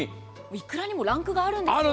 いくらにもランクがあるんですよね。